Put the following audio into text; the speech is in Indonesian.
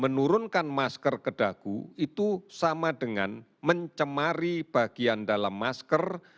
menurunkan masker ke dagu itu sama dengan mencemari bagian dalam masker